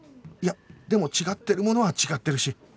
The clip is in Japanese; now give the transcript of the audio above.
いやでも違ってるものは違ってるし